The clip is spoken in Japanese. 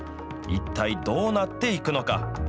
一体どうなっていくのか。